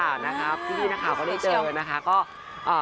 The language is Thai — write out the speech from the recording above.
พี่พี่นะครัวก็ได้เจอนะคะ